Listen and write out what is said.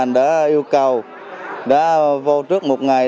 mình đã yêu cầu đã vô trước một ngày